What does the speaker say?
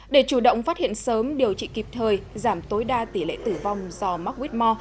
để chủ động phát hiện sớm điều trị kịp thời giảm tối đa tỷ lệ tử vong do mắc quýt mò